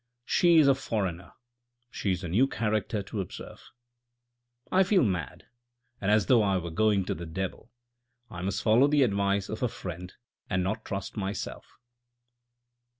" She is a foreigner ; she is a new character to observe. " I feel mad, and as though I were going to the devil. I must follow the advice of a friend and not trust myself."